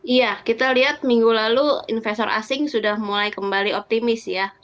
iya kita lihat minggu lalu investor asing sudah mulai kembali optimis ya